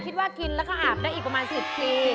คิดว่ากินแล้วก็อาบได้อีกประมาณ๑๐ปี